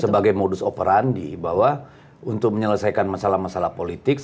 sebagai modus operandi bahwa untuk menyelesaikan masalah masalah politik